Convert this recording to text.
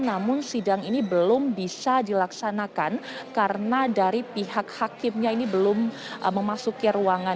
namun sidang ini belum bisa dilaksanakan karena dari pihak hakimnya ini belum memasuki ruangan